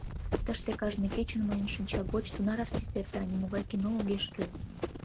Тыште кажне кечын мыйын шинча гоч тунар артист эрта, нимогай кино огеш кӱл!